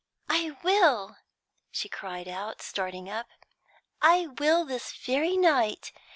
"I will," she cried out, starting up, "I will this very night!